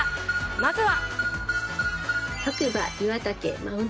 まずは。